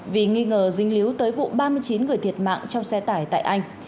vì nghi ngờ dính líu tới vụ ba mươi chín người thiệt mạng trong xe tải tại anh